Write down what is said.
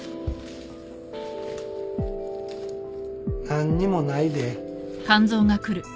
何にもないで。